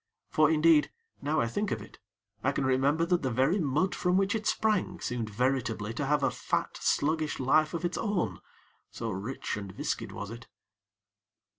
For, indeed, now I think of it, I can remember that the very mud from which it sprang seemed veritably to have a fat, sluggish life of its own, so rich and viscid was it.